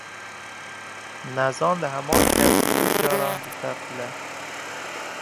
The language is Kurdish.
Nezan li heman kevirî du caran diterpile.